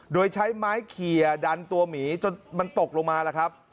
โดยใช้ไม้เขียดันตัวหมีจนมันตกลงมาล่ะครับ